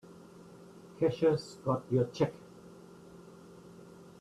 Cashier's got your check.